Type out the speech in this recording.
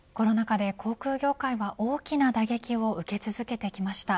コロナ禍で航空業界は大きな打撃を受け続けてきました。